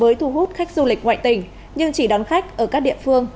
mới thu hút khách du lịch ngoại tỉnh nhưng chỉ đón khách ở các địa phương